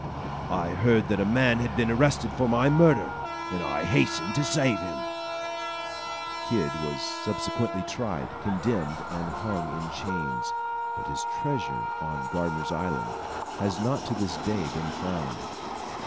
[F] I heard that a man had been arrested for my murder, and I hastened to save him." [Footnote F: Kidd was subsequently tried, condemned, and hung in chains; but his treasure on Gardiner's Island has not to this day been found.